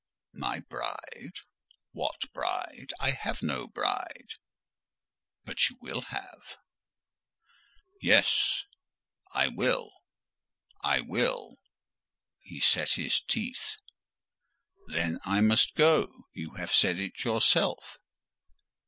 "My bride! What bride? I have no bride!" "But you will have." "Yes;—I will!—I will!" He set his teeth. "Then I must go:—you have said it yourself."